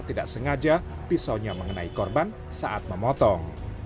tidak sengaja pisaunya mengenai korban saat memotong